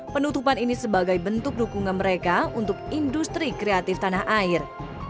penutupan ini sebagai bentuk dukungan mereka untuk industri kreatif tanah air